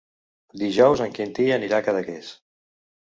Dijous en Quintí anirà a Cadaqués.